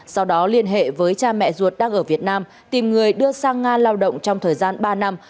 sau đó liên hệ với cha mẹ ruột đang ở việt nam tìm người đưa sang nga lao động trong thời gian ba năm